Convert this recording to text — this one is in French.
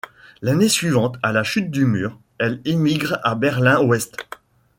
L'année suivante, à la chute du mur, elle émigre à Berlin-ouest.